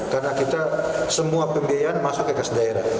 karena kita semua pembayaran masuk ke kasus daerah